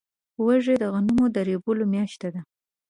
وږی د غنمو د رېبلو میاشت ده.